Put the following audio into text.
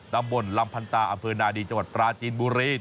ตำบลลำพันตาอำเภอนาดีจังหวัดปราจีนบุรี